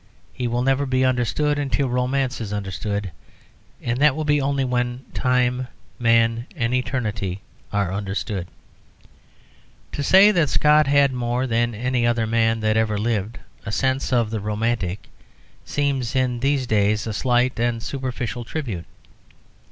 He will never be understood until Romance is understood, and that will be only when Time, Man, and Eternity are understood. To say that Scott had more than any other man that ever lived a sense of the romantic seems, in these days, a slight and superficial tribute.